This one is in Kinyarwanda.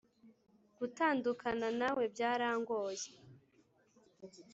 gutandukana nawebyarangoye